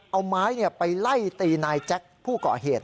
เอาไม้ไปไล่ตีนายแจ็คผู้ก่อเหตุ